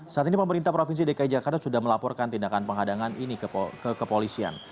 saat ini pemerintah provinsi dki jakarta sudah melaporkan tindakan penghadangan ini ke kepolisian